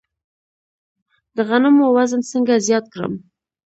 د غنمو وزن څنګه زیات کړم؟